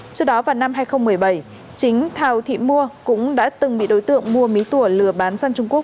trước đó vào năm hai nghìn một mươi bảy chính thảo thị mua cũng đã từng bị đối tượng mua mí tỷ lừa bán sang trung quốc